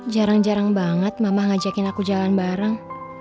jarang jarang banget mama ngajakin aku jalan bareng